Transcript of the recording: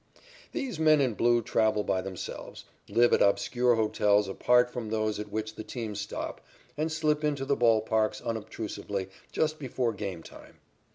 These men in blue travel by themselves, live at obscure hotels apart from those at which the teams stop, and slip into the ball parks unobtrusively just before game time.